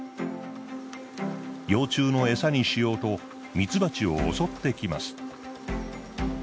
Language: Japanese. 幼虫の餌にしようとミツバチを襲ってきます。